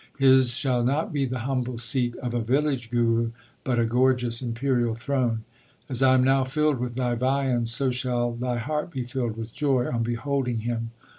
His shall not be the humble seat of a village Guru, but a gorgeous imperial throne. As I am now filled with thy viands, so shall thy heart be filled with joy on beholding him.